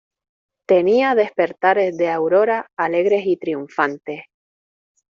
tenía despertares de aurora alegres y triunfantes.